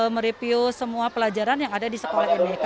mereview semua pelajaran yang ada di sekolah mwk